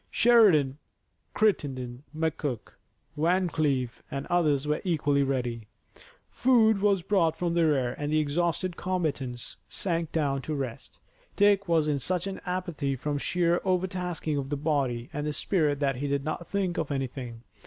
Sheridan, Crittenden, McCook, Van Cleve and the others were equally ready. Food was brought from the rear and the exhausted combatants sank down to rest. Dick was in such an apathy from sheer overtasking of the body and spirit that he did not think of anything.